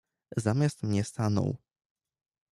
"Zamiast mnie stanął."